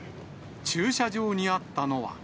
駐車場にあったのは。